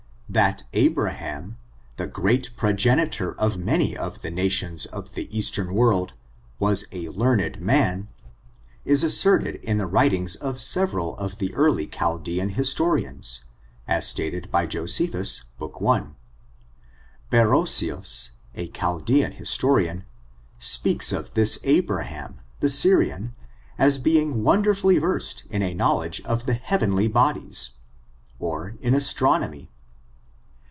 I >] ^^^^^^^^^^^^%^k^«^ I i . 222 ORIGIN, CHARACTER, AKD That Abraham, the great progenitor of many of the nations of the eastern world, was a learned maii| is asserted in the writings of several of the early Chaldean historians, as stated by Josephus, book L Bbrosseus, a Chaldean historian, speaks of this Abraham, the Syrian, as being wonderfully versed in a knowledge of the heavenly bodies, or in astroor omy.